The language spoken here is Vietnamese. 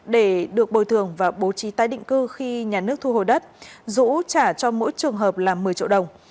để được bồi thường và bố trí tái định cư khi nhà nước thu hồi đất dũ trả cho mỗi trường hợp là một mươi triệu đồng